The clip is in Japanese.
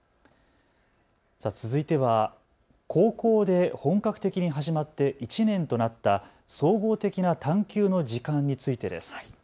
続いては高校で本格的に始まって１年となった総合的な探究の時間についてです。